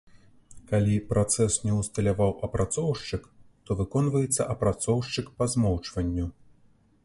Калі працэс не ўсталяваў апрацоўшчык, то выконваецца апрацоўшчык па змоўчванню.